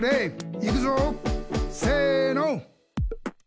いくぞせの！